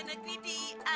orang tua biar kita